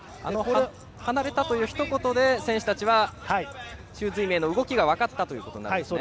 離れたという、ひと言で選手たちは朱瑞銘の動きが分かったということになるんですね。